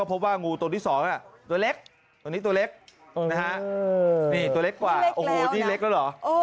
พบว่างูตัวที่๒ตัวเล็กตัวนี้ตัวเล็กนะฮะนี่ตัวเล็กกว่าโอ้โหนี่เล็กแล้วเหรอ